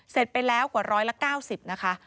เสร็จไปแล้วกว่าร้อยละ๙๐นะคะ